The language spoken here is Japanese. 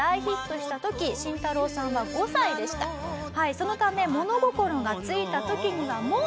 そのため物心がついた時にはもう。